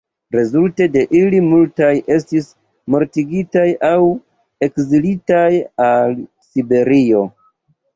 Rezulte de ili multaj estis mortigitaj aŭ ekzilitaj al Siberio.